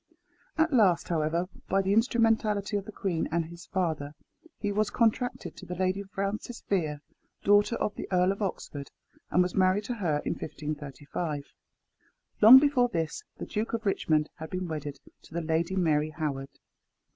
At last, however, by the instrumentality of the queen and his father, he was contracted to the Lady Frances Vere, daughter of the Earl of Oxford, and was married to her in 1535. Long before this the Duke of Richmond had been wedded to the Lady Mary Howard.